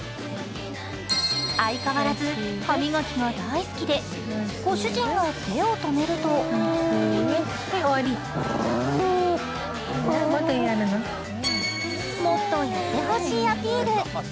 相変わらず歯磨きが大好きで、ご主人が手を止めるともっとやってほしいアピール。